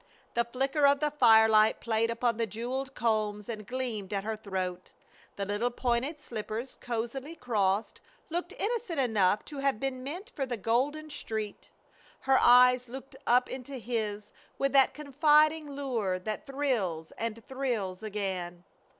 The flicker of the firelight played upon the jeweled combs and gleamed at her throat. The little pointed slippers cozily crossed looked innocent enough to have been meant for the golden street. Her eyes looked up into his with that confiding lure that thrills and thrills again.